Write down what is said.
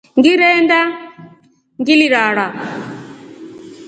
Ngirenda ngilirara.